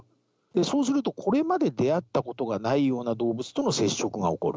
そうすると、これまで出会ったことがないような動物との接触が起こる。